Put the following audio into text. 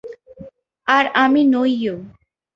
আর আমি নইও।